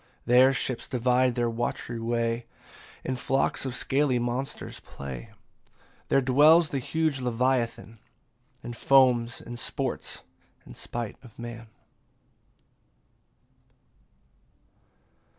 20 There ships divide their watery way, And flocks of scaly monsters play; There dwells the huge Leviathan, And foams and sports in spite of man.